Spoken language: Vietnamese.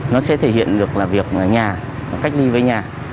nó sẽ thể hiện được là việc nhà cách ly với nhà